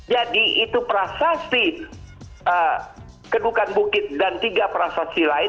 jadi itu prasasti kedukan bukit dan tiga prasasti lain